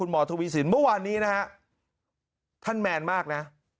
มธวิสินวันนี้ท่านแมนมากนะ